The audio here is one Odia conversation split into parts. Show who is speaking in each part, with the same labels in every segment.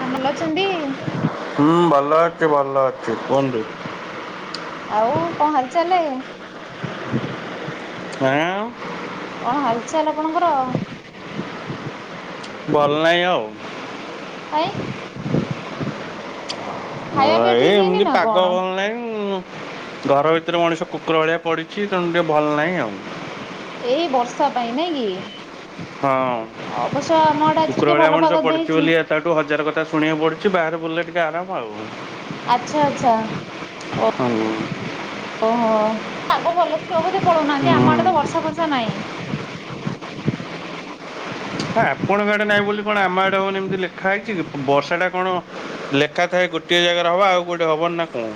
Speaker 1: ସାମଲ ଅଛନ୍ତି।
Speaker 2: ହୁଁ ଭଲ ଅଛି ଭଲ ଅଛି କୁହନ୍ତୁ।
Speaker 1: ଆଉ କଣ ହାଲ ଚାଲେ?
Speaker 2: [unintelligible]
Speaker 1: କଣ ହାଲଚାଲ ଆପଣଙ୍କର?
Speaker 2: ଭଲନାଇ ଆଉ।
Speaker 1: କାଇଁ। ଖାଇବା
Speaker 2: ହଁ
Speaker 1: ପିଇବା
Speaker 2: ଏଇ
Speaker 1: ଠିକ୍ ହେଇନି
Speaker 2: ଏମିତି
Speaker 1: ନା
Speaker 2: ପାଗ
Speaker 1: କଣ?
Speaker 2: ଭଲ ନାଇ ଉମ୍। ଘର ଭିତରେ ମଣିଷ କୁକୁର ଭଳିଆ ପଡିଛି ତେଣୁ ଟିକେ ଭଲ ନାହିଁ ଆଉ।
Speaker 1: ଏଇ ବର୍ଷା ପାଇଁ ନାଇ କି?
Speaker 2: ହଁ
Speaker 1: ଅବଶ୍ୟ ଆମ ଆଡେ ଆଜି
Speaker 2: କୁକୁର
Speaker 1: ଟିକେ
Speaker 2: ଭଳିଆ
Speaker 1: ଭଲ
Speaker 2: ମଣିଷ
Speaker 1: ପାଗ
Speaker 2: ପଡ଼ିଛି ବୋଲି
Speaker 1: ଦେଇଛି।
Speaker 2: ତାଠୁ ହଜାର କଥା ଶୁଣିବାକୁ ପଡ଼ୁଛି ବାହାରେ ବୁଲିଲେ ଟିକେ ଆରାମ ଆଉ।
Speaker 1: ଆଚ୍ଛା ଆଚ୍ଛା ଓ
Speaker 2: ହଁ ହୁଁ
Speaker 1: ଓହୋ। ପାଗ ଭଲ ଥିବ ବୋଧେ ପଳଉନାହାନ୍ତି ଆମ ଆଡେ ତ ବର୍ଷା ବର୍ଷା ନାହିଁ।
Speaker 2: କଣ ଆପଣଙ୍କ ଆଡେ ନାହିଁ ବୋଲି କଣ ଆମ ଆଡେ ହବନାହିଁ ଏମିତି ଲେଖା ହେଇଛି କି ବର୍ଷା ଟା କଣ ଲେଖାଥାଏ ଗୋ ଗୋଟିଏ ଜାଗାରେ ହବ ଆଉ କେଉଠି ହେବନି ନା କଣ?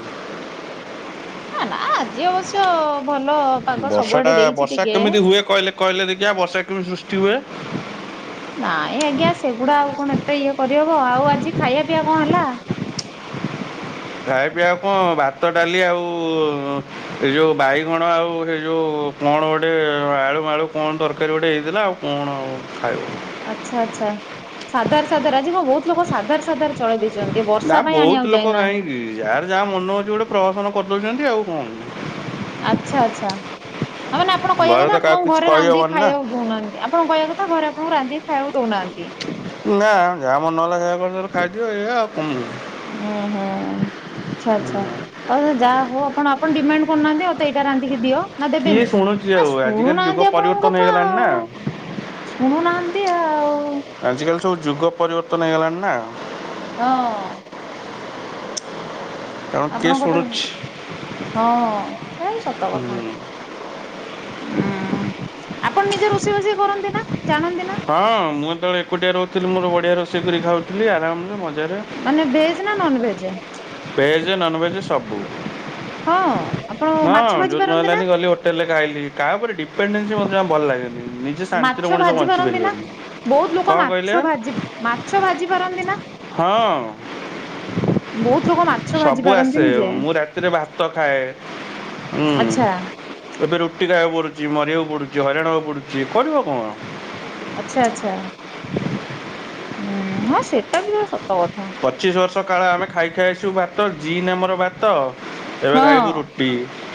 Speaker 1: ଆନା ଆଜି ଅବଶ୍ୟ ଭଲ ପାଗ
Speaker 2: ବର୍ଷା
Speaker 1: ସବୁଆଡେ
Speaker 2: ଟା
Speaker 1: ଦେଇଛି
Speaker 2: ବର୍ଷା
Speaker 1: ଟିକେ।
Speaker 2: କେମିତି ହୁଏ କହିଲେ କହିଲେ ଦେଖିଆ ବର୍ଷା କେମିତି ସୃଷ୍ଟି ହୁଏ।
Speaker 1: ନାଇଁ ଆଜ୍ଞା ସେଗୁଡା ଆଉ କଣ ଏତେ ଇଏ କରିହବ ଆଉ ଆଜି ଖାଇବା ପିଇବା କଣ ହେଲା?
Speaker 2: ଖାଇ ପିଇବାକୁ କଣ ଭାତ ଡାଲି ଆଉ ଏ ଯେଉଁ ବାଇଗଣ ଆଉ ସେ ଯେଉଁ କଣ ଗୋଟେ ଆଳୁମାଳୁ କଣ ତରକାରୀ ଗୋଟେ ହେଇଥିଲା ଆଉ କଣ ଆଉ ଖାଇବ।
Speaker 1: ଆଚ୍ଛା ଆଚ୍ଛା ସାଧାର ସାଧାର ଆଜି କଣ ବହୁତ ଲୋକ ସାଧାର ସାଧାର ଚଳେଇ ଦେଇଛନ୍ତି
Speaker 2: ନା
Speaker 1: ବର୍ଷା ପାଇଁ
Speaker 2: ବହୁତ
Speaker 1: ଆଣିବାକୁ
Speaker 2: ଲୋକ
Speaker 1: ଯାଇନାହାନ୍ତି।
Speaker 2: କାହିଁକି ଯାହାର ଯାହା ମନେ ହଉଛି ଗୋଟେ ପ୍ରହସନ କରିଦଉଛନ୍ତି ଆଉ କଣ।
Speaker 1: ଆଚ୍ଛା ଆଚ୍ଛା ଆଉ ମାନେ ଆପଣ କହିବା
Speaker 2: ଘରେ
Speaker 1: କଥା
Speaker 2: ତ କାହାକୁ
Speaker 1: ଆପଣଙ୍କୁ
Speaker 2: କିଛି
Speaker 1: ଘରେ ରାନ୍ଧିକି
Speaker 2: କହିହେବନି ନା
Speaker 1: ଖାଇବାକୁ ଦଉନାହାନ୍ତି। ଆପଣ କହିବା କଥା ଘରେ ଆପଣଙ୍କୁ ରାନ୍ଧିକି ଖାଇବାକୁ ଦଉନାହାନ୍ତି।
Speaker 2: ନା ଯାହା ମନ ହେଲା ସେୟା କରିଦେଲ ଖାଇଦିଅ ଏଇ ଆଉ କମି
Speaker 1: ଉଁ ହୁଁ ଆଚ୍ଛା ଆଚ୍ଛା ଆଉ ଯାହା ହଉ ଆପଣ ଆପଣ ଡିମାଣ୍ଡ କରୁନାହାନ୍ତି ମତେ ଏଇଟା ରାନ୍ଧିକି ଦିଅ। ନା
Speaker 2: କିଏ
Speaker 1: ଦେବେନି
Speaker 2: ଶୁଣୁଛି
Speaker 1: ଆ
Speaker 2: ଆଉ ଆଜିକାଲି ଯୁଗ
Speaker 1: ଶୁଣୁନାହାନ୍ତି ଆପଣ ମୋ
Speaker 2: ପରିବର୍ତ୍ତନ
Speaker 1: କଥା।
Speaker 2: ହେଇଗଲାଣି ନା
Speaker 1: ଶୁଣୁନାହାନ୍ତି ଆଉ।
Speaker 2: ଆଜିକାଲି ସବୁ ଯୁଗ ପରିବର୍ତ୍ତନ ହେଇଗଲାଣି ନା।
Speaker 1: ହଁ।
Speaker 2: ତେଣୁ କିଏ
Speaker 1: ଆପଣଙ୍କ କଥା
Speaker 2: ଶୁଣୁଛି
Speaker 1: ହଁ ସେ ସତ କଥା।
Speaker 2: ହୁଁ
Speaker 1: ହୁଁ, ଆପଣ ନିଜେ ରୋଷେଇବାଷେଇ କରନ୍ତି ନା ଜାଣନ୍ତି ନା?
Speaker 2: ହଁ ମୁଁ ଯେତେବେଳେ ଏକୁଟିଆ ରହୁଥିଲି ମୋର ବଢ଼ିଆ ରୋଷେଇ କରି ଖାଉଥିଲି ଆରାମରେ ମଜାରେ।
Speaker 1: ମାନେ ଭେଜ ନା ନନଭେଜ୍।
Speaker 2: ଭେଜ ନନଭେଜ ସବୁ।
Speaker 1: ହଁ ଆପଣ
Speaker 2: ହଁ
Speaker 1: ମାଛ ଭାଜି
Speaker 2: ଯୋଉଦିନ
Speaker 1: ପାରନ୍ତି ନା?
Speaker 2: ହେଲାନି ଗଲି ହୋ ହୋଟେଲରେ ଖାଇଲି କାହାଉପରେ ଡିପେନଡେନସି ମତେ ଜମା ଭଲ ଲାଗେନି। ନିଜେ ଶାନ୍ତିରେ ମଣିଷ ବ
Speaker 1: ପାରନ୍ତିନା, ବହୁତ ଲୋକ ମାଛ ଭାଜି, ମାଛ ଭାଜି ପାରନ୍ତି ନା?
Speaker 2: ହଁ।
Speaker 1: ବହୁତ ଲୋକ ମାଛ ଭାଜି
Speaker 2: ସବୁ ଆସେ,
Speaker 1: ପାରନ୍ତିନି ଯେ
Speaker 2: ମୁଁ ରାତିରେ ଭାତ ଖାଏ। ଉଁ
Speaker 1: ଆଚ୍ଛା।
Speaker 2: ଏବେ ରୁଟି ଖାଇବାକୁ ପଡୁଛି ମରିବାକୁ ପଡୁଛି ହଇରାଣ ହେବାକୁ ପଡୁଛି କରିବ କଣ।
Speaker 1: ଆଚ୍ଛା ଆଚ୍ଛା ହୁଁ ହଁ ସେଟାବିତ ସତ କଥା।
Speaker 2: ପଚିଶ ବର୍ଷ କାଳ ଆମେ ଖାଇ ଖାଇ ଆସୁ ଭାତ ଜିନ୍ ଆମର ଭାତ। ଏବେ ଖାଇବୁ
Speaker 1: ହଁ।
Speaker 2: ରୁଟି।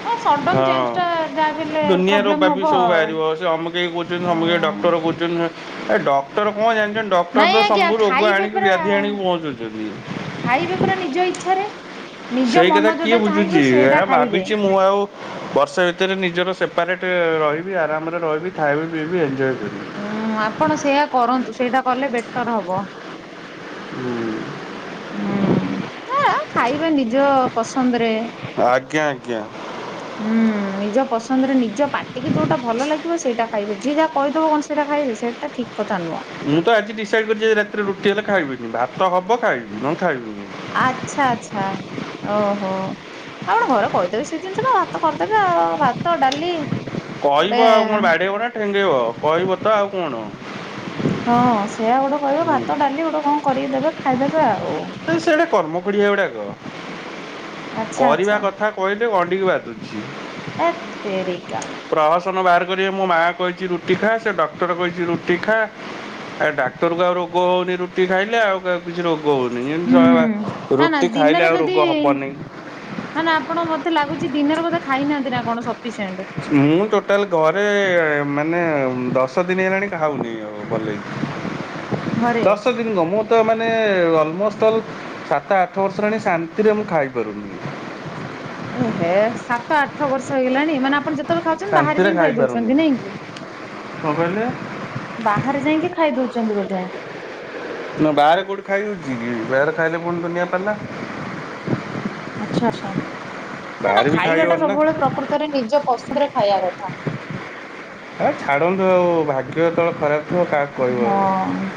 Speaker 1: ଅ ସଡନ ଚେଞ୍ଜ
Speaker 2: ହଁ
Speaker 1: ଟା ଯାହା ବି ହେଲେ
Speaker 2: ଦୁନିଆରୁ
Speaker 1: ପ୍ରୋବ୍ଲେମ
Speaker 2: ପାପି
Speaker 1: ହବ
Speaker 2: ସବୁ
Speaker 1: ଆଉ
Speaker 2: ବାହାରିବ ସେ ଅମକେଇ କହୁଛନ୍ତି ଅମକେଇ
Speaker 1: ଉଁ।
Speaker 2: ଡକ୍ଟର କହୁ ଡକ୍ଟର କଣ ଜାଣିଛଛନ୍ତି ଡକ୍ଟର
Speaker 1: ନାଇଁ
Speaker 2: ତ
Speaker 1: ଆଜ୍ଞା
Speaker 2: ସବୁ ରୋଗ
Speaker 1: ଖାଇବେ
Speaker 2: ଆଣିକି
Speaker 1: ପରା
Speaker 2: ବ୍ୟାଧି ଆଣିକି ପହଞ୍ଚୁଛି।
Speaker 1: ଖାଇବେ ପରା ନିଜ ଇଚ୍ଛାରେ। ନିଜ
Speaker 2: ସେଇ
Speaker 1: ମନ
Speaker 2: କଥା କିଏ
Speaker 1: ଯୋଉଟା ଚାହିଁବ
Speaker 2: ବୁଝୁଛି ଏ
Speaker 1: ସେଇଟା ଖାଇବେ।
Speaker 2: ଭାବିଛି ମୁଁ ଆଉ ବର୍ଷେ ଭିତରେ ନିଜର ସେପାରେଟ ରହିବି ଆରାମରେ ରହିବି ଖାଇବି ପିଇବି ଏନଞ୍ଜୟେ କରିବି।
Speaker 1: ହୁଁ ଆପଣ ସେୟା କରନ୍ତୁ ସେଇଟା କଲେ ବେଟର ହବ।
Speaker 2: ହୁଁ।
Speaker 1: ହୁଁ ନା ଖାଇବା ନିଜ ପସନ୍ଦରେ
Speaker 2: ଆଜ୍ଞା ଆଜ୍ଞା।
Speaker 1: ହୁଁ। ନିଜ ପସନ୍ଦରେ ନିଜ ପାଟିକୁ ଯୋଉଟା ଭଲ ଲାଗିବ ସେଇଟା ଖାଇବେ। ଯିଏ ଯାହା କହିଦବ କଣ ସେଇଟା ଖାଇବେ ସେଇଟା ଠିକ୍ କଥା ନୁହଁ।
Speaker 2: ମୁଁ ତ ଆଜି ଡିସାଇଡ୍ କରିଛି ଯେ ରାତିରେ ରୁଟି ହେଲେ ଖାଇବିନି ଭାତ ହବ ଖାଇବି ନଲେ ଖାଇବିନି।
Speaker 1: ଆଚ୍ଛା, ଆଚ୍ଛା ଓହୋ। ଆପଣ ଘରେ କହିଦେବେି ସେ ଜିନିଷଟା ଭାତ କରିଦେବେ ଭାତ ଡାଲି ଗୋଟେ
Speaker 2: କହିବ ଆଉ କଣ ବାଡେଇବ ନା ଠେଙ୍ଗେଇବ କହିବ ତ ଆଉ କଣ।
Speaker 1: ହଁ ସେୟା ଗୋଟେ କହିବେ ଭାତ
Speaker 2: ହୁଁ
Speaker 1: ଡାଲି ଗୋଟେ କଣ କରିକି ଦେବେ ଖାଇଦେବେ ଆଉ।
Speaker 2: ସେଡା କର୍ମ ଖୋଡିଆ ଗୁଡାକ।
Speaker 1: ଆଚ୍ଛା
Speaker 2: କରିବା
Speaker 1: ଆଚ୍ଛା
Speaker 2: କଥା କହିଲେ ଘଣ୍ଡିିକି ବାଧୁଛି।
Speaker 1: ହେତେରିକା।
Speaker 2: ପ୍ରହସନ ବାହାର କରିବେ ମୋ ମାଆ କହିଛି ରୁଟିଖା ସେ ଡକ୍ଟର କହିଛି ରୁଟିଖା। ଆ ଡାକ୍ତର କୁ ଆଉ ରୋଗ ହଉନି ରୁଟି ଖାଇଲେ ଆଉ କିଛି ରୋଗ ହଉନି।
Speaker 1: ହୁଁ
Speaker 2: [unintelligible]
Speaker 1: ନା ନା
Speaker 2: ରୁଟି ଖାଇଲେ
Speaker 1: ଦିନରେ
Speaker 2: ଆଉ
Speaker 1: ଯଦି
Speaker 2: ରୋଗ ହବନେଇ।
Speaker 1: ନା ନା ଆପଣ ମତେ ଲାଗୁଛି ଦିନରେ ବୋଧେ ଖାଇନାହାନ୍ତି ନା କଣ ସଫିସେଣ୍ଟ।
Speaker 2: ମୁଁ ଟୋଟାଲ ଘରେ ମାନେ ଦଶ ଦିନ ହେଲାଣି ଖାଉନି ଆଉ ଭାଲେଇକି।
Speaker 1: ଘରେ।
Speaker 2: ଦସଦିନ କଣ ମୁ ତ ମାନେ ଅଲମୋଷ୍ଟ ଅଲ ସାତ ଆଠ ବର୍ଷ ହେଲାଣି ଶାନ୍ତିରେ ମୁଁ ଖାଇପାରୁନି।
Speaker 1: ଏ ହେ ସାତ ଆଠ ବର୍ଷ ହେଇଗଲାଣି ମାନେ ଆପଣ ଯେ ଯେତେବେଳେ ଖାଉଛନ୍ତି ବାହାରେ
Speaker 2: ଶାନ୍ତିରେ
Speaker 1: ଯାଇକି ଖାଇ
Speaker 2: ଖାଇପାରୁନି।
Speaker 1: ଦଉଛନ୍ତି ନାଇଁ କି?
Speaker 2: କଣ କହିଲେ
Speaker 1: ବାହାରେ ଯାଇକି ଖାଇ ଦଉଛନ୍ତି ବୋଧେ।
Speaker 2: ନା ବାହାରେ କୋଉଠି ଖାଇ ହଉଛି କି? ବାହାରେ ଖାଇଲେ ପୁଣି ଦୁନିଆ ପାଲା।
Speaker 1: ଆଚ୍ଛା ଆଛା ନା- ନା
Speaker 2: ବାହାରେ ବି ଖାଇ
Speaker 1: ଖାଇବାଟା
Speaker 2: ହେଉନି ନା
Speaker 1: ସବୁବେଳେ, ପ୍ରକୃତରେ ନିଜ ପସନ୍ଦରେ ଖାଇବା କଥା।
Speaker 2: ଆ ଛାଡ଼ନ୍ତୁ ଆଉ ଭାଗ୍ୟ ଯେତେବେଳେ ଖରାପ ମୁଁ ଆଉ କାହାକୁ କହିବି ଆଉ,
Speaker 1: ହଁ।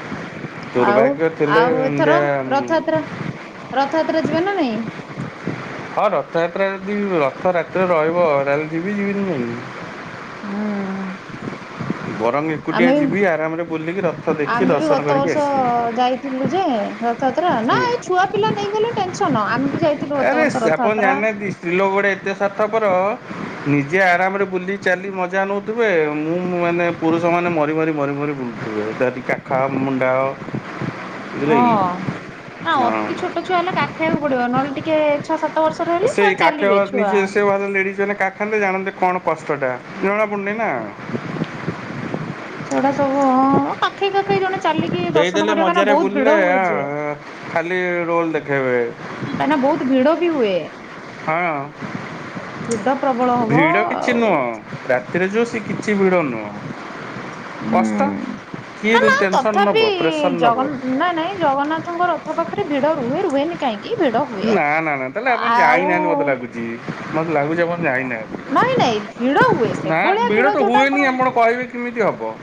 Speaker 1: ଆଉ
Speaker 2: ଦୁର୍ଭାଗ୍ୟ ଥିଲେ
Speaker 1: ଆଉ ଏଥର
Speaker 2: ଏମିତିଆ
Speaker 1: ରଥଯାତ୍ରା ରଥଯାତ୍ରା ଯିବେ ନା ନାଇଁ?
Speaker 2: ହଁ ରଥଯାତ୍ରା ଯଦି ରଥ ରାତିରେ ରହିବ, ତାହେଲେ ଯିବି ଯିବିନି କାଇଁକି।
Speaker 1: ହୁଁ।
Speaker 2: ବରଂ ଏକୁଟିଆ
Speaker 1: ଆମେ ବି
Speaker 2: ଯିବି, ଆରାମରେ ବୁଲିକି ରଥ ଦେଖି ଦର୍ଶନ କରିକି ଆସିବି।
Speaker 1: ଥିଲୁ ଯେ ରଥଯାତ୍ରା, ନାଁ
Speaker 2: ହୁଁ
Speaker 1: ଏଇ ଛୁଆ ପିଲା ନେଇକି ଗଲେ ଟେନସନ। ଆମ
Speaker 2: ଆରେ ସ ଆପଣ ଜାଣିନାହାଁନ୍ତି? ସ୍ତ୍ରୀ ଲୋକ ଗୋଡେ ଏତେ ସାର୍ଥପର, ନିଜେ ଆରାମରେ ବୁଲି ଚାଲି ମଜା ନେଉ ଥିବେ, ମୁଁ ମାନେ ପୁରୁଷମାନେମରି ମରି ମରି ମରି ବୁଲୁଥିବେ ଯଦି କାଖଅ ମୁଣ୍ଡାଅ ବୁଝିଲେ
Speaker 1: ହଁ
Speaker 2: କି
Speaker 1: ନା
Speaker 2: ହଁ।
Speaker 1: ଅତି ଛୋଟ ଛୁଆ ହେଲା କାଖେଏଆକୁ ପଡିବ, ନହେଲେ ଟିକେ ଛଅ ସାତ ବର୍ଷର ହେଲେ ତ
Speaker 2: ସେଇ କାଠ
Speaker 1: ଚାଲିବେ ଛୁଆ।
Speaker 2: ନିଜେ, ସେ ମାନେ ଲେଡିଜ୍ ମାନେ କା ଦେଖାନ୍ତେ, ଜାଣନ୍ତେ କଣ କଷ୍ଟଟା ଜଣାପଡୁନି ନା?
Speaker 1: ସେଗୁଡ଼ା ସବୁ, ଅ କାଖେଇ କାଖେଇ ଜଣେ ଚାଲି
Speaker 2: ଦେଇଦେଲେ ମଜାରେ ବୁଲିଲେ, ହାଁ ଖାଲି ରୋଲ ଦେଖେଇବେ।
Speaker 1: କାଇଁନା ବହୁତ ଭିଡ ବି ହୁଏ।
Speaker 2: ହଁ
Speaker 1: ଭିଡ ପ୍ରବଳ ହବ
Speaker 2: ଭିଡ଼ କିଛି
Speaker 1: ଆଉ
Speaker 2: ନୁହଁ ରାତିରେ ଯୋଉ, ସେ କିଛି ଭିଡ ନୁହଁ।
Speaker 1: ହୁଁ
Speaker 2: କଷ୍ଟ କିଏ
Speaker 1: ନା ନାଇଁ
Speaker 2: ଟେନସନ୍ ନେବ
Speaker 1: ତଥାପି
Speaker 2: ପ୍ରେସର୍ ନେବ
Speaker 1: ଜଗନ୍ ନ ନାଇଁ ଜଗନ୍ନାଥଙ୍କର ର ଆଖ ପାଖେରେ ଭିଡ ରୁହେ, ରୁହେନି କାହିଁକି? ଭିଡ ହୁଏ ଆଉ
Speaker 2: ଛି ମତେ ଲାଗୁଛି ଆପଣ ଯାଇନାହାଁନ୍ତି?
Speaker 1: ନାଇଁ ନାଇଁ ଭିଡ ହୁଏ
Speaker 2: ନା
Speaker 1: ସେଭଳିଆ
Speaker 2: ଭିଡ ତ
Speaker 1: ଯୋଉଟା
Speaker 2: ହୁଏନି, ଆପଣ କହିବେ କେମିତି ହବ?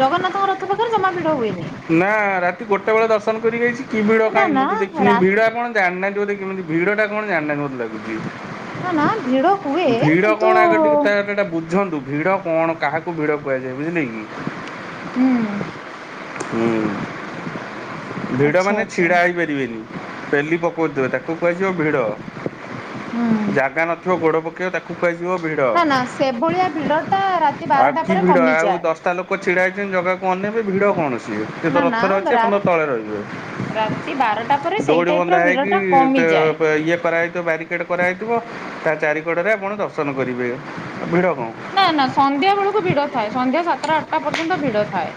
Speaker 1: ଜଗନ୍ନାଥଙ୍କ ରଥ ପାଖରେ ଜମା ଭିଡ ହୁଏନି?
Speaker 2: ନା ରାତି ଗୋଟେ ବେଳେ ଦର୍ଶନ କରିି ଆଇଛି, କି ଭିଡ
Speaker 1: ନା
Speaker 2: କାହିଁ
Speaker 1: ନା
Speaker 2: ମୁଁ ତ ଦେଖିନି
Speaker 1: ରା
Speaker 2: ଭିଡ଼ କଣ? ଜାଣି ନାହାଁନ୍ତି ବୋଧେ, କେମିତି ଭିଡଟା କଣ ଜାଣିନାହାଁନ୍ତି ମତେ ଲାଗୁଚି?
Speaker 1: ନା ନା ଭିଡ ହୁଏ
Speaker 2: ଭିଡ
Speaker 1: କିନ୍ତୁ
Speaker 2: କଣ ଆଗ ଟିକେ ତାଟା ବୁଝନ୍ତୁ? ଭିଡ କଣ କାହାକୁ ଭିଡ଼ କୁହାଯାଏ, ବୁଝିଲେ କି?
Speaker 1: ହୁଁ।
Speaker 2: ହୁଁ ଭିଡ
Speaker 1: ଆଚ୍ଛା
Speaker 2: ମାନେ
Speaker 1: ଆଚ୍ଛା
Speaker 2: ଛିଡା ହେଇପା ରିବେନି, ପେଲି ପକଉଥିବେ ତାକୁ କୁହାଯିବ ଭିଡ଼।
Speaker 1: ହୁଁ
Speaker 2: ଜାଗା ନ [unintelligible] ଗୋଡ ପକେଇବ ତାକୁ କୁହାଯିବ ଭିଡ।
Speaker 1: ନା ନା ସେଭଳିଆ ଭିଡ ଟା ରାତି
Speaker 2: ଆଉ
Speaker 1: ବାରଟା
Speaker 2: କି
Speaker 1: ପରେ
Speaker 2: ଭିଡ ଆଉ
Speaker 1: କମିଯାଏ।
Speaker 2: ଦଶ ତା ଲୋକ ଛିଡ଼ା ହେଇଛନ୍ତି ଜାଗାକୁ ଅନେଇବେ, ଭିଡ଼ କଣ ସିଏ? ସିଏ ତ
Speaker 1: ନା ନା
Speaker 2: ରଥରେ ଅଛି
Speaker 1: ରା
Speaker 2: ଆପଣ ତ ତଳେ ରହିବେ।
Speaker 1: ରାତି ବାରଟା ପରେ ସେଇ
Speaker 2: ଦଉଡ଼ି
Speaker 1: ଟାଇପ ର ଭିଡ
Speaker 2: ବନ୍ଧାହେଇକି
Speaker 1: ଟା
Speaker 2: ପ୍
Speaker 1: କମିଯାଏ।
Speaker 2: ପ ଇଏ କରାହେଇଥିବ, ବାରି ଗେଟ୍ କରାହେଇଥିବ, ତା ଚାରି କଡ଼ରେ ଆପଣ ଦର୍ଶନ କରିବେ। ଆଉ ଭିଡ କଣ?
Speaker 1: ନା ନା ସନ୍ଧ୍ୟା ବେଳକୁ ଭିଡ ଥାଏ, ସନ୍ଧ୍ୟା ସାତଟା ଆଠଟା ପର୍ଯ୍ୟନ୍ତ ଭିଡ ଥାଏ।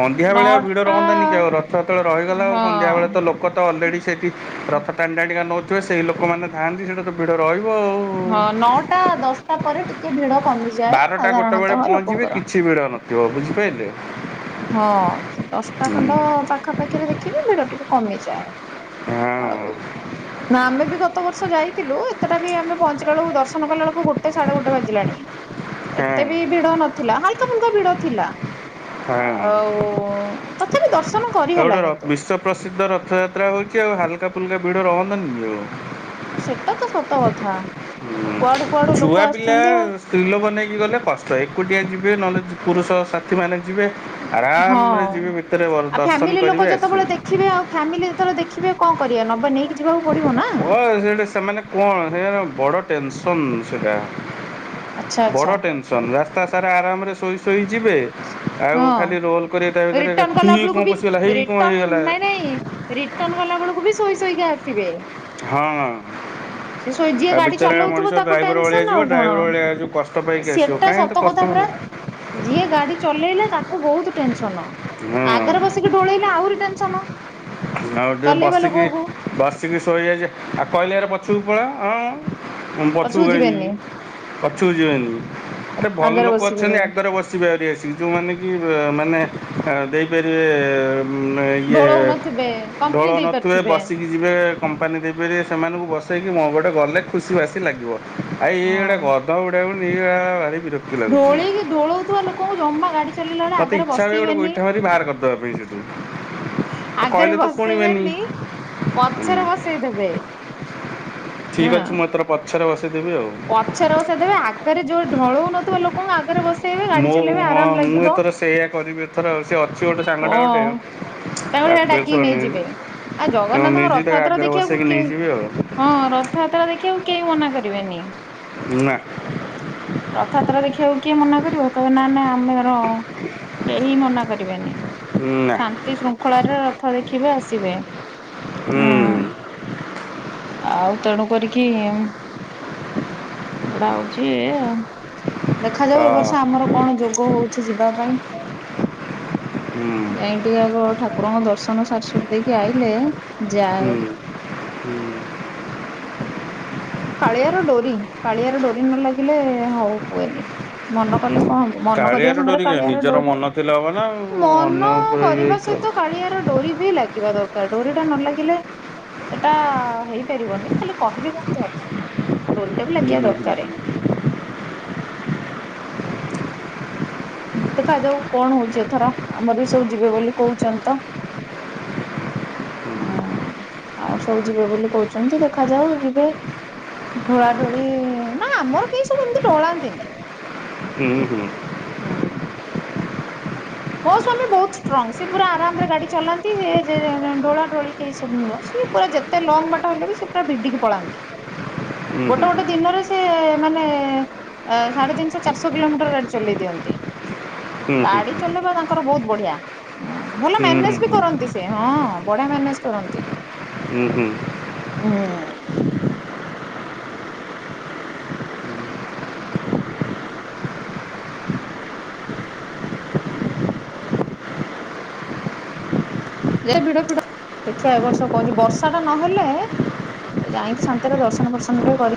Speaker 2: ସନ୍ଧ୍ୟାବେଳେ ଆଉ ଭିଡ
Speaker 1: ନଅଟା
Speaker 2: ରହନ୍ତାନି କି, ଆଉ ରଥ ଯେତେବେଳେ ରହିଗଲା ଆଉ ସନ୍ଧ୍ୟାବେଳେ
Speaker 1: ହଁ।
Speaker 2: ତ ଲୋ କ ତ ଅଲରେଡି ସେଇଠି ରଥ ଟାଣିଟାଣିକା ନଉଥିବେ, ସେଇ ଲୋକମାନେ ଥାଆନ୍ତି ସେଇଟା ତ ଭିଡ଼ ରହିବ ଆଉ,
Speaker 1: ହଁ ନଅଟା ଦଶଟା ପରେ ଟିକେ ଭିଡ କମିଯାଏ
Speaker 2: ବାରଟା ଗୋଟେ ବେଳେ
Speaker 1: ସାଧାରଣତଃ
Speaker 2: ପହଞ୍ଚିବେ
Speaker 1: ଲୋକଙ୍କର।
Speaker 2: କିଛି ଭିଡ଼ ନଥିବ ବୁଝିପାଇଲେ?
Speaker 1: ହଁ ଦଶଟା ଖଣ୍ଡ ପାଖାପାଖିରେ ଦେଖିବେ ଭିଡ ଟିକେ କମିଯାଏ।
Speaker 2: ହଁ
Speaker 1: ଆଉ ନା ଆମେ ବି ଗ ତ ବର୍ଷ ଯାଇଥିଲୁ, ଏତେଟା ବି ଆମେ ପହଞ୍ଚିଲା ବେଳକୁ ଦର୍ଶନ କଲା ବେଳକୁ ଗୋଟେ ସାଢେ ଗୋଟେ ବାଜିଲାଣି।
Speaker 2: ହଁ
Speaker 1: ଏତେ ବି ଭିଡ ନଥିଲା, ହାଲକା ଫୁଲକା ଭିଡ ଥିଲା।
Speaker 2: ହଁ ଏ
Speaker 1: ଆଉ ତଥାପି ଦର୍ଶନ
Speaker 2: ଆଉ
Speaker 1: କରିହେଲା
Speaker 2: ଗୋଟେ ର
Speaker 1: କିନ୍ତୁ।
Speaker 2: ବିଶ୍ୱ ପ୍ରସିଦ୍ଧ ରଥଯାତ୍ରା ହଉଛି, ଆଉ ହାଲକା ଫୁଲକା ଭିଡ ରହନ୍ତାନି କି ଆଉ?
Speaker 1: ସେଟା ତ ସତ କଥା, କୁଆଡୁ କୁଆଡୁ ଲୋକ ଆସୁଛନ୍ତି ଆଉ।
Speaker 2: ସ୍ତ୍ରୀଲୋକ ନେଇକି ଗଲେ କଷ୍ଟ, ଏକୁଟିଆ ଯିବେ ନହେଲେ ପୁ ପୁରୁଷ ସାଥିମାନେ ଯିବେ।
Speaker 1: ହଁ
Speaker 2: ଆରାମରେ ଯିବେ ଭିତରେ
Speaker 1: ଆଉ
Speaker 2: ଦର୍ଶନ
Speaker 1: ଫ୍ୟାମିଲି ଲୋକ
Speaker 2: କରିବେ
Speaker 1: ଯେତେବେଳେ
Speaker 2: ଆସିବେ
Speaker 1: ଦେଖିବେ ଆଉ ଫ୍ୟାମିଲି ଯେତେବେଳେ ଦେ ଖିବେ ଆଉ କଣ କରିଆ, ନବେ ନେଇକି ଯିବାକୁ ପଡିବ ନା।
Speaker 2: ହଁ ସେଇଟା ସେମାନେ କଣ ସେ ବଡ଼ ଟେନସନ୍ ସେଇଟା।
Speaker 1: ଆଚ୍ଛା ଆଚ୍ଛା
Speaker 2: ବଡ ଟେନସନ ରାସ୍ତା ସାରା ଆରାମରେ ଶୋଇ ଶୋଇ ଯିବେ। ଆଉ
Speaker 1: ହଁ
Speaker 2: ଖାଲି ରୋଲ କରିବେ ତା ଭିତରେ
Speaker 1: ରିଟର୍ଣ କଲା
Speaker 2: ହେଇ
Speaker 1: ବେଳକୁ
Speaker 2: କଣ ପଶିଗଲା, ହେଇ କଣ ହେଇଗଲା।
Speaker 1: ରିଟର୍ନ ଗଲା ବେଳକୁ ବି ଶୋଇ ଶୋଇକା ଆସିବେ।
Speaker 2: ହଁ।
Speaker 1: ସେ ଶୋଇ ଯିଏ
Speaker 2: ଆଉ
Speaker 1: ଗାଡି
Speaker 2: ବିଚାର
Speaker 1: ଚଲଉଥିବ
Speaker 2: ମଣିଷ
Speaker 1: ତାକୁ
Speaker 2: ଡ୍ରାଇଭର ଭଳିଆ
Speaker 1: ଟେନସନ ଆଉ
Speaker 2: ଯିବ
Speaker 1: କଣ
Speaker 2: ଡ୍ରାଇଭର ଭଳିଆ ଯୋଉ କଷ୍ଟ ପାଇକି ଆସିବ।
Speaker 1: ସେଟା
Speaker 2: କାହିଁ ଏତେ
Speaker 1: ସତ କଥା
Speaker 2: କଷ୍ଟ
Speaker 1: ପରା।
Speaker 2: କରିବ?
Speaker 1: ଯିଏ ଗାଡି ଚଲେଇଲା ତାକୁ ବହୁତ ଟେନସନ,
Speaker 2: ହଁ
Speaker 1: ଆଗରେ ବସିକି ଢୋଳେଇଲେ ଆହୁରି ଟେନସନ।
Speaker 2: ଆଉ ଟିକେ
Speaker 1: ଚଲେଇବେ
Speaker 2: ବସିକି
Speaker 1: ଲୋକକୁ
Speaker 2: ବସିକି ଶୋଇଯାଇଛି, ଆଉ କହିଲରେ ପଛୁକୁ ପଳାଅ ହଁ ମୁଁ ପଛକୁ କାଇଁ ଯିବି ପଛକୁ ଯିବିନି, ଆରେ ଭଲ
Speaker 1: ଆଗରେ
Speaker 2: ଲୋକ
Speaker 1: ବସିକି
Speaker 2: ଅଛନ୍ତି
Speaker 1: ରହିବେ।
Speaker 2: ଆଗରେ ବସି ବସି ପାରିବେ ଆସିକି ଯୋଉମାନେ କି ମାନେ ଦେଇପାରିବେ ମେ ଇଏ
Speaker 1: ଢୋଳଉନଥିବେ
Speaker 2: ବଳ
Speaker 1: କମ୍ପନୀ ଦେଇ
Speaker 2: ନଥିବେ
Speaker 1: ପାରୁଥିବେ
Speaker 2: ବସି କି ଯିବେ କମ୍ପାନୀ ଦେବେ ସେମାନଙ୍କୁ ବସେଇକି ମୋ ଗୋଟେ ଗଲେ ଖୁସି ବାସି ଲାଗିବ। ଆଉ ଇଏ ଗୋଟେ
Speaker 1: ହଁ।
Speaker 2: ଗଧ ଘୋଡା କୁ ନେଇକି ଗଲେ ଭାରି ବିରକ୍ତି। ଲାଗୁଛି
Speaker 1: ଢୋଳେଇକି ଢୋଳଉଥିବା ଲୋକଙ୍କୁ ଜମା ଗାଡି ଚଲେଇଲା ବେଳେ
Speaker 2: ମୋତେ
Speaker 1: ଆଗରେ
Speaker 2: ଇଚ୍ଛା ହୁଏ ଗୋଟେ
Speaker 1: ବସେଇବେନି।
Speaker 2: ଗୋଇଠା ମାରି ବାହାର କରିଦେବା ପାଇଁ ସେଠୁ କହିଲେ
Speaker 1: ଆଗରେ
Speaker 2: ତ ଶୁଣିବେନି
Speaker 1: ବସେଇବେନି ପଛରେ ବସେଇଦବେ।
Speaker 2: ଠିକ୍ ଅଛି ମୁଁ ଏଥର ପଛରେ ବସେଇଦେବି ଆଉ।
Speaker 1: ପଛରେ ବସେଇ ଦେବେ ଆଗରେ ଯୋଉ ଢୋଳଉ ନଥିବା ଲୋକଙ୍କୁ ଆଗରେ ବସ
Speaker 2: ମୁଁ ହଁ ମୁଁ ଏଥର ସେଇଆ କରିବି। ର ସେ ଅଛି ଗୋଟେ ସାଙ୍ଗ ଟେ ଗୋଟେ
Speaker 1: ଓ
Speaker 2: [unintelligible]
Speaker 1: ତାଙ୍କର ସେଟା ଡାକିକି ନେଇଯିବେ। ଆଉ
Speaker 2: ହଁ
Speaker 1: ଜଗନ୍ନାଥଙ୍କ
Speaker 2: ନେଇଯିବି ତାକୁ
Speaker 1: ରଥଯାତ୍ରା
Speaker 2: ଆଗରେ
Speaker 1: ଦେଖିବାକୁ
Speaker 2: ବସେଇକି
Speaker 1: କେହି
Speaker 2: ନେଇଯିବି ଆଉ।
Speaker 1: ହଁ ରଥଯାତ୍ରା ଦେଖିବାକୁ କେହି ମନା କରିବେନି।
Speaker 2: ନା।
Speaker 1: ରଥଯାତ୍ରା ଦେଖିବାକୁ କିଏ ମନା କରିବ, କହିବେ ନା ନାଇ ଆମେର କେହି ମନା କର
Speaker 2: ହୁଁ ନା।
Speaker 1: ଶାନ୍ତି ଶୃଙ୍ଖଳାରେ ରଥ ଦେଖିବେ ଆସିବେ, ହୁଁ। ଆଉ ତେଣୁ କରିକି ଘୋଡା ହଉଚି ଇଏ ଆଉ। ଦେଖାଯାଉ
Speaker 2: ଅ
Speaker 1: ଏ ବର୍ଷ ଆମର କଣ ଯୋଗ ହଉଛି ଯିବା ପାଇଁ।
Speaker 2: ହୁଁ
Speaker 1: ଯାଇ ଟିକେ ଆଗ ଠାକୁରଙ୍କ ଦର୍ଶନ ସାରି ସୁରି ଦେଇକି ଆଇଲେ
Speaker 2: ହୁଁ
Speaker 1: ଯାଏ।
Speaker 2: ହୁଁ
Speaker 1: କାଳିଆର ଡୋରି କାଳିଆର ଡୋରି ନ ଲାଗିଲେ ହଉ ହୁଏନି ମନେ କଲେ କଣ ହବ ମନ କରିବା
Speaker 2: କାଳିଆର
Speaker 1: ସାଙ୍ଗରେ
Speaker 2: ଡୋରି କାହିଁ
Speaker 1: କାଳିଆରେ
Speaker 2: ନିଜର
Speaker 1: ଡୋରି,
Speaker 2: ମନ ଥିଲେ ହବ ନା ଆଉ
Speaker 1: ମନ
Speaker 2: ଅନ୍ୟ ଉପରେ ଇଏ
Speaker 1: କରିବା
Speaker 2: ହେଇକି ହବ
Speaker 1: ସହିତ କାଳିଆ ର ଡୋରି ବି ଲାଗିବା ଦରକାର, ଡୋରି ଟା ନ ଲାଗିଲେ ସେଟା ହେଇପାରିବନି, ଖାଲି କହିଲେ କେମତି ହବ ଡୋରିଟା ବି ଲାଗିବା
Speaker 2: ହୁଁ ହୁଁ
Speaker 1: ଦରକାର। ଦେଖା ଯାଉ କଣ ହଉଛି ଏଥର ଆମର ବି ସବୁ ଯିବେ ବୋଲି କହୁଛନ୍ତି ତ। ହୁଁ ଆଉ ସବୁ ଯିବେ ବୋଲି କହୁଛନ୍ତି ତ ଦେଖାଯାଉ ଯିବେ। ଢୋଳାଢୋଳି ନା ଆମର କେହି ସବୁ ଏମିତି ଢୋଳାନ୍ତିନି।
Speaker 2: ହୁଁ ହୁଁ।
Speaker 1: ହୁଁ। ମୋ ସ୍ୱାମୀ ବହୁତ ଷ୍ଟ୍ରଙ୍ଗ, ସେ ପୁରା ଆରାମରେ ଗାଡି ଚଲାନ୍ତି ସେ ଢୋଳା ଢୋଳି କେହି ସବୁ ନୁହଁ, ସେ ପୁରା ଯେତେ ଲଙ୍ଗ ବାଟ ହେଲେ ବି ସେ ପୁରା ଭିଡିକି ପଳାନ୍ତି।
Speaker 2: ହୁଁ ହୁଁ
Speaker 1: ଗୋଟେ
Speaker 2: ହୁଁ
Speaker 1: ଗୋଟେ ଦିନରେ ସେ ମାନେ ଅ ସାଢ଼େ ତିନିଶହ ଚାରିଶହ କିଲୋମିଟର ଗାଡ଼ି ଚଲେଇ ଦିଅନ୍ତି।
Speaker 2: ହୁଁ ହୁଁ ହୁଁ ହୁଁ
Speaker 1: ଗାଡି ଚଲେଇବା ତାଙ୍କର ବହୁତ ବଢିଆ, ହୁଁ ଭଲ ମ୍ୟାନେଜ ବି
Speaker 2: ହୁଁ
Speaker 1: କରନ୍ତି ସେ। ସେ ହଁ ବଢିଆ ମ୍ୟାନେଜ କରନ୍ତ,
Speaker 2: ହୁଁ ହୁଁ ହୁଁ
Speaker 1: ହୁଁ। ଯେ ଭିଡ ଫିଡ ଦେଖିବା ଏ ବର୍ଷ କହଛି ବର୍ଷା ଟା ନହେଲେ ଏ ଯାଇକି ଶାନ୍ତିରେ ଦର୍ଶନ ପ୍ରର୍ଶନ ଟିକେ କରି